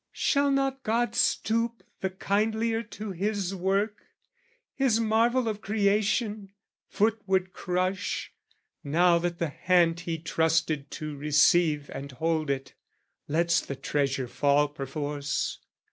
Shall not God stoop the kindlier to His work, His marvel of creation, foot would crush, Now that the hand He trusted to receive And hold it, lets the treasure fall perforce?